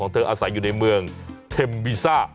เธออาศัยอยู่ในเมืองเทมวีซ่า